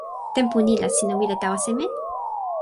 tenpo ni la sina wile tawa seme?